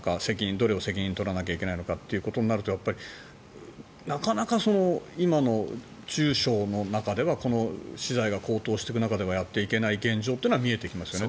どれが責任取らなきゃいけないのかということになるとなかなか今の中小の中では資材が高騰していく中ではやっていけない現状が見えてきますよね。